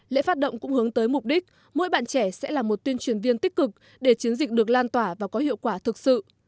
lễ phát động cũng hướng tới mục đích mỗi bạn trẻ sẽ là một tuyên truyền viên tích cực để chiến dịch được lan tỏa và có hiệu quả thực sự